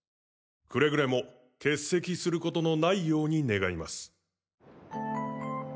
くれぐれも欠席することのないように願います。